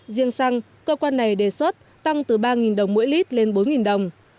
riêng xăng cơ quan này đề xuất tăng từ ba đồng mỗi lít lên bốn đồng